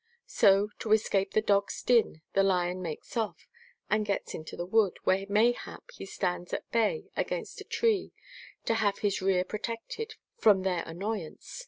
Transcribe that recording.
So, to escape the dogs' din, the lion makes off, and gets into the wood, where mayhap he stands at bay against a tree to have his rear protected from their annoy ance.